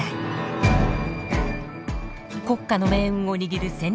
国家の命運を握る戦略